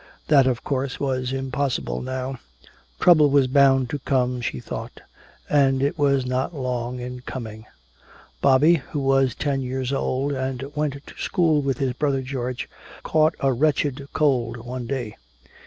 That of course was impossible now. Trouble was bound to come, she thought. And it was not long in coming. Bobby, who was ten years old and went to school with his brother George, caught a wretched cold one day.